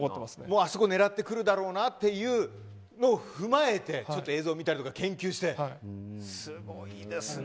あそこを狙ってくるだろうなということを踏まえて映像を見たり研究してすごいですね。